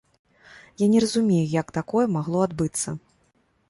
Я не разумею, як такое магло адбыцца.